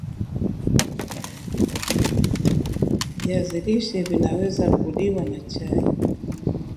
viazi lishe Vinaweza kuliwa na chai